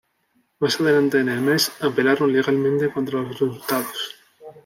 Más adelante en el mes, apelaron legalmente contra los resultados.